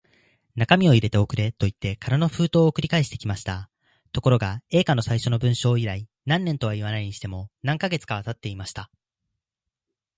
中身を入れて送れ、といって空の封筒を送り返してきました。ところが、Ａ 課の最初の文書以来、何年とはいわないにしても、何カ月かはたっていました。